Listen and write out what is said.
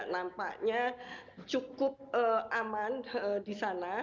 dan nampaknya cukup aman di sana